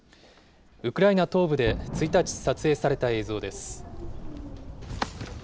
ウクライナ東部で１日、撮影された映像です。